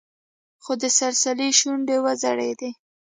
خو د سلسلې شونډې وځړېدې.